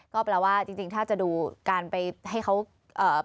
ก็แปลว่าจริงจริงถ้าจะดูการไปให้เขาเอ่อ